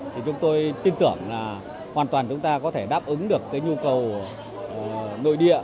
thì chúng tôi tin tưởng là hoàn toàn chúng ta có thể đáp ứng được cái nhu cầu nội địa